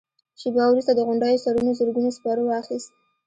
شېبه وروسته د غونډيو سرونو زرګونو سپرو واخيست.